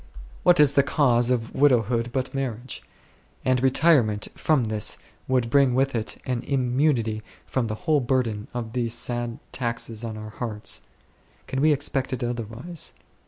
What is the cause of widowhood but marriage? And retirement from this would bring with it an immunity from the whole burden of these sad taxes on our hearts. Can we expect it otherwise